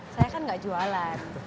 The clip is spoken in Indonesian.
saya kan gak jualan